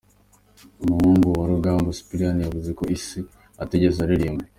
Umuhungu wa Rugamba Sipiriyani yavuze ko Ise atigeze aririmba .